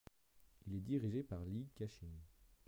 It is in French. Il est dirigé par Li Ka-shing.